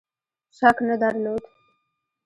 شک نه درلود.